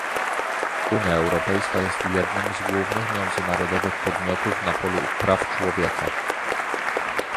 Unia Europejska jest jednym z głównych międzynarodowych podmiotów na polu praw człowieka